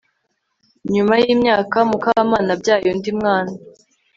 nyuma y'imyaka mukamana abyaye undi mwana